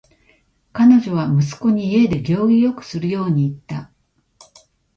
彼女は息子に家で行儀よくするように言った。